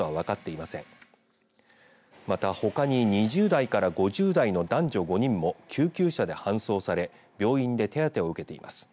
またほかに２０代から５０代の男女５人も救急車で搬送され病院で手当を受けています。